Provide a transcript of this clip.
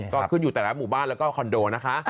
ก็ขึ้นอยู่แต่ละหมู่บ้านแล้วก็คอนโดนะคะ